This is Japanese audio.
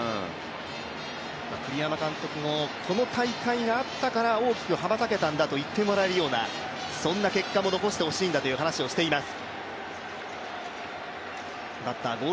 栗山監督もこの大会があったから大きく羽ばたけたんだといってもらえるようなそんな結果も残してほしいんだという話もしています。